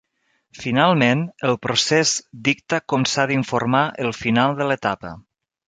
Finalment, el procés dicta com s'ha d'informar el final de l'etapa.